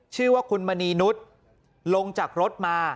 ชื่อว่าคุณมณีนุษย์ลงจากรถมา